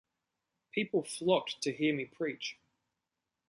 People flocked to hear me preach.